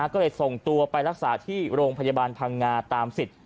ก็เลยส่งตัวไปรักษาที่โรงพยาบาลพังงาตามสิทธิ์